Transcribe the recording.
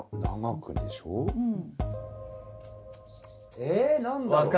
え何だろ？